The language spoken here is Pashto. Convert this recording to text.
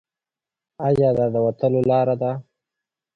ایا دا د وتلو لار ده؟